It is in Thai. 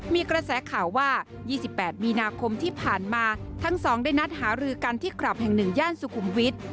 มีกระแสข่าวว่า๒๘มีนาคมที่ผ่านมาทั้งสองได้นัดหารือกันที่คลับแห่ง๑ย่านสุขุมวิทย์